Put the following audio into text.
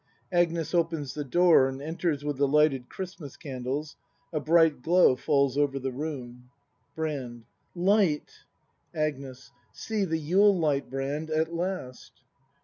Agnes opens the door and enters with the lighted Clirist mas candles; a hright glow falls over the room ACT IV] BRAND 189 Brand. Light! Agnes. See, the Yule light, Brand, at last!